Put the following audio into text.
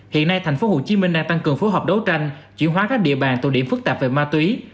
hiện nay thành phố hồ chí minh đang tăng cường phối hợp đấu tranh chuyển hóa các địa bàn tổ điểm phức tạp về ma túy